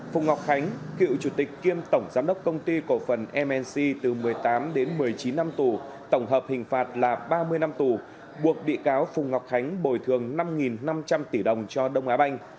phùng ngọc khánh cựu chủ tịch kiêm tổng giám đốc công ty cổ phần mc từ một mươi tám đến một mươi chín năm tù tổng hợp hình phạt là ba mươi năm tù buộc bị cáo phùng ngọc khánh bồi thường năm năm trăm linh tỷ đồng cho đông á banh